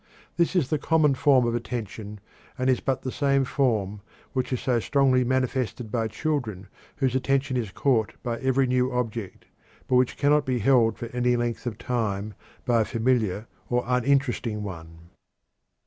This is the common form of attention, and is but the same form which is so strongly manifested by children whose attention is caught by every new object, but which cannot be held for any length of time by a familiar or uninteresting one.